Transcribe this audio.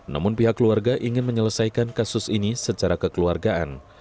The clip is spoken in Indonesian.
namun pihak keluarga ingin menyelesaikan kasus ini secara kekeluargaan